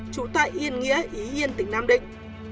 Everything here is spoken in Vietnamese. chủ tại yên nghĩa ý yên tỉnh nam định